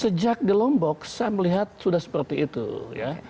sejak di lombok saya melihat sudah seperti itu ya